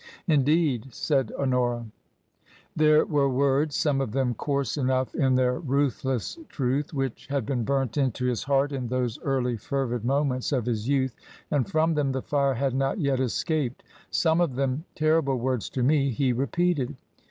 " Indeed," said Honora. " There were words — some of them coarse enough in their ruthless truth — ^which had been burnt into his B :; I 26 TRANSITION. heart in those early fervid moments of his youth ; and from them the fire had not yet escaped. Some of them — terrible words to me — he repeated."